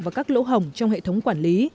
và các lỗ hỏng trong hệ thống quản lý